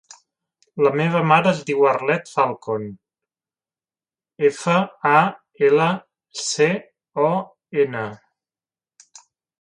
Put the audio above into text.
La meva mare es diu Arlet Falcon: efa, a, ela, ce, o, ena.